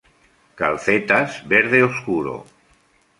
Calcetas:Verde oscuro.